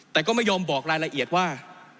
แต่ก็ไม่ยอมบอกรายละเอียดว่า